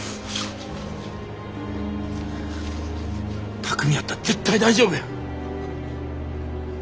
巧海やったら絶対大丈夫や。